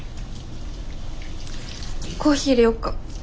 コーヒーいれようか？